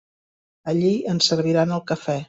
Allí ens serviran el cafè.